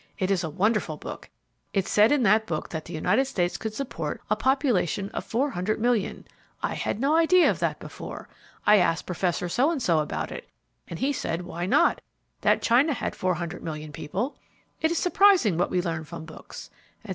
It is a wonderful book. It said in that book that the United States could support a population of 400,000,000. I had no idea of that before. I asked Prof. So and So about it and he said why not: that China had 400,000,000 people. It is surprising what we learn from books," etc.